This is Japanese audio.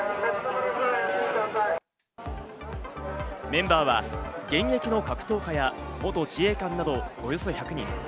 メンバーは現役の格闘家や元自衛官などおよそ１００人。